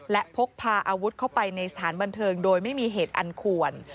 และพกพาอาวุธเข้าไปในสถานบันเทิงโดยไม่มีเหตุอันควร